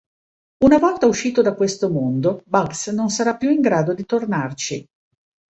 Una volta uscito da questo mondo, Bugs non sarà più in grado di tornarci.